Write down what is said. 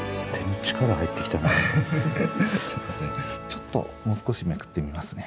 ちょっともう少しめくってみますね。